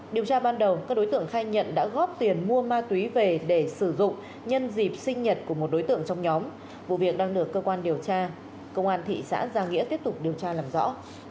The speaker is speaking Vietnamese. điều tra ban đầu các đối tượng khai nhận đã góp tiền mua ma túy về để sử dụng nhân dịp sinh nhật của một đối tượng trong nhóm vụ việc đang được cơ quan điều tra công an thị xã gia nghĩa tiếp tục điều tra làm rõ